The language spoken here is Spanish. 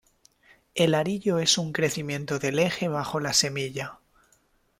El arilo es un crecimiento del eje bajo la semilla.